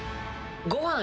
ご飯